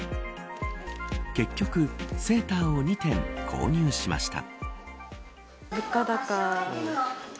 結局、セーターを２点購入しました。